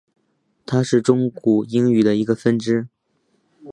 它是中古英语的一个分支。